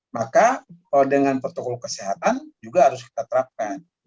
maka dengan protokol kesehatan juga harus kita terapkan